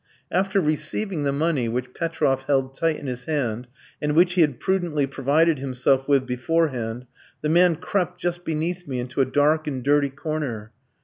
After receiving the money, which Petroff held tight in his hand, and which he had prudently provided himself with beforehand, the man crept just beneath me into a dark and dirty corner.